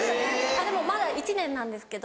あっでもまだ１年なんですけど。